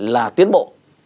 là tiến bộ